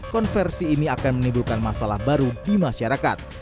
konversi ini akan menimbulkan masalah baru di masyarakat